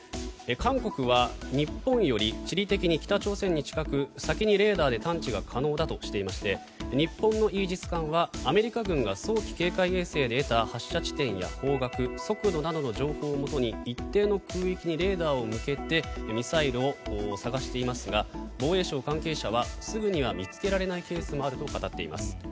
韓国は日本より地理的に北朝鮮に近く先にレーダーで探知が可能だとしていまして日本のイージス艦はアメリカ軍が早期警戒衛星で得た発射地点や方角速度などの情報をもとに一定の空域にレーダーを向けてミサイルを探していますが防衛省関係者はすぐには見つけられないケースもあると語っています。